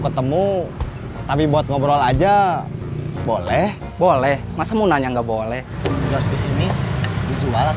ketemu tapi buat ngobrol aja boleh boleh masa mau nanya nggak boleh di sini dijual